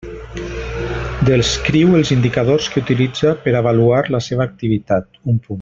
Descriu els indicadors que utilitza per avaluar la seva activitat: un punt.